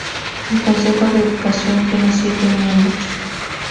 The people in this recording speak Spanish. El consejo de educación tiene siete miembros.